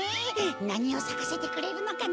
なにをさかせてくれるのかな？